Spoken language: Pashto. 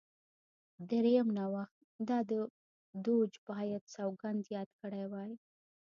درېیم نوښت دا و دوج باید سوګند یاد کړی وای.